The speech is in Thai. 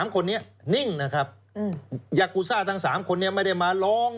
๓คนนี้นิ่งนะครับยากูซ่าทั้ง๓คนนี้ไม่ได้มาร้อง